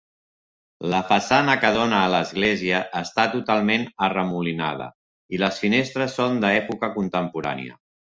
La façana que dóna a l'església està totalment arremolinada i les finestres són d'època contemporània.